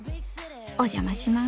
お邪魔します。